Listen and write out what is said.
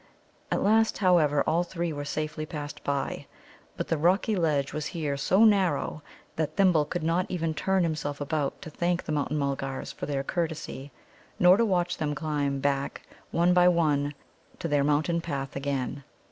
At last, however, all three were safely passed by. But the rocky ledge was here so narrow that Thimble could not even turn himself about to thank the Mountain mulgars for their courtesy, nor to watch them climb back one by one to their mountain path again.